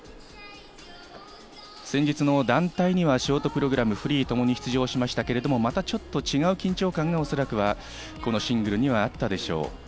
先日の団体にはショートプログラム、フリーともに出場しましたけれども、またちょっと違った緊張感がおそらくは、このシングルにはあったでしょう。